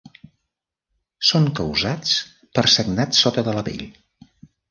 Són causats per sagnat sota de la pell.